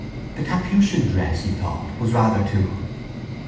The Capuchin dress, he thought, was rather too....